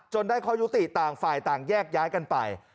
ได้ข้อยุติต่างฝ่ายต่างแยกย้ายกันไป